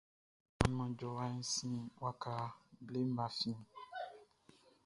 Aunmuan jɔwa sin waka bleʼm be afiɛn.